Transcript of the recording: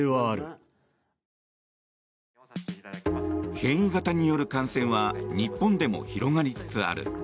変異型による感染は日本でも広がりつつある。